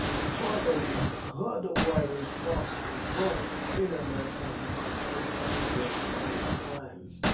Finally, rhabdovirus "fossils" were found in the genomes of mosquitoes, ticks, and plants.